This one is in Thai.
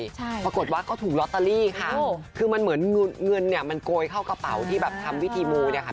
ใช่ปรากฏว่าก็ถูกลอตเตอรี่ค่ะคือมันเหมือนเงินเงินเนี่ยมันโกยเข้ากระเป๋าที่แบบทำวิธีมูลเนี่ยค่ะ